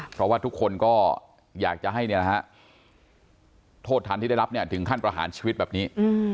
เพราะว่าทุกคนก็อยากจะให้โทษทันที่ได้รับถึงขั้นประหารชีวิตแบบนี้